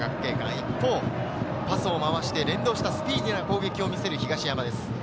一方、パスを回して連動したスピーディーな攻撃を見せる東山です。